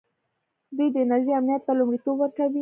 دوی د انرژۍ امنیت ته لومړیتوب ورکوي.